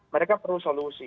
mereka perlu solusi